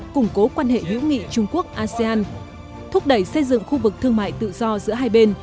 củng cố quan hệ hữu nghị trung quốc asean thúc đẩy xây dựng khu vực thương mại tự do giữa hai bên